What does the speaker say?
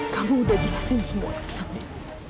kamu udah jelasin semuanya samir